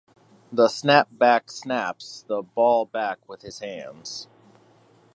The snapback snaps the ball back with his hands.